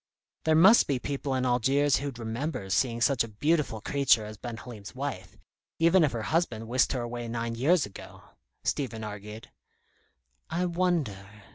"There must be people in Algiers who'd remember seeing such a beautiful creature as Ben Halim's wife, even if her husband whisked her away nine years ago," Stephen argued. "I wonder?"